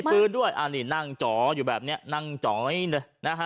มีปืนด้วยอันนี้นั่งเจาะอยู่แบบเนี้ยนั่งเจาะไงนะฮะ